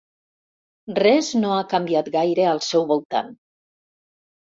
Res no ha canviat gaire al seu voltant.